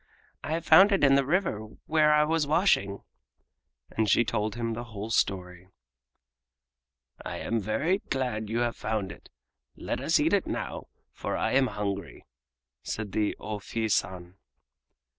"I found it in the river where I was washing." And she told him the whole story. "I am very glad that you have found it. Let us eat it now, for I am hungry," said the O Fii San.